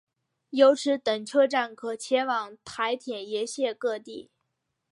由此等车站可前往台铁沿线各地。